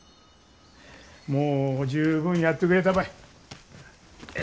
もう十分やってくれたばい。